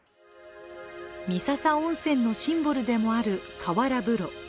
三朝温泉のシンボルでもある河原風呂。